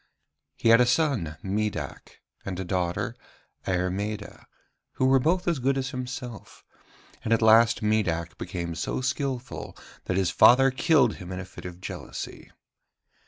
He had a son, Midac, and a daughter, Airmeda, who were both as good as himself; and at last Midac became so skilful that his father killed him in a fit of jealousy.